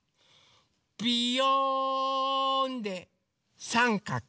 ビヨーンでさんかく。